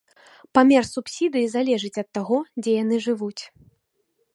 Памер субсідыі залежыць ад таго, дзе яны жывуць.